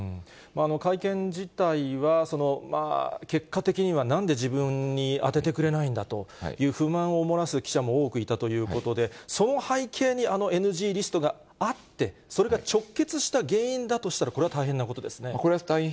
会見自体は結果的にはなんで自分に当ててくれないんだという不満を漏らす記者も多くいたということで、その背景に、あのＮＧリストがあって、それが直結した原因だとしたら、これは大変なことですね。